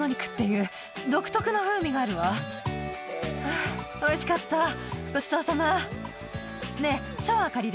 あおいしかったごちそうさま。